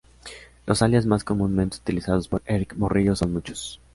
Los alias más comúnmente utilizados por Erick Morillo son muchos.